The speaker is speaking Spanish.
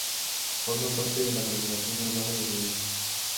Forma parte de la aglomeración urbana de Royan.